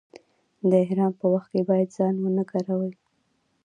د احرام په وخت کې باید ځان و نه ګروئ.